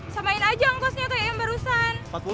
sama aja angkosnya kayak yang barusan